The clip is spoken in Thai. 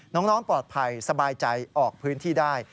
น้องปลอดภัยสบายใจออกพื้นที่ได้